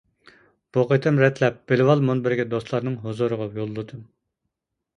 بۇ قېتىم رەتلەپ بىلىۋال مۇنبىرىگە دوستلارنىڭ ھۇزۇرىغا يوللىدىم.